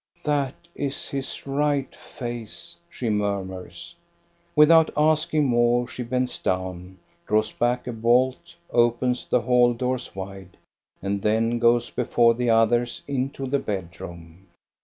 "That is his right face," she murmurs. Without asking more, she bends down, draws back a bolt, opens the hall doors wide, and then goes before the others into the bedroom.